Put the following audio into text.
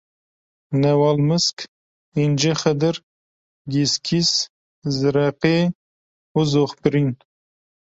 Newalmisk, Încexidir, Gîsgîs, Zireqê û Zoxbirîn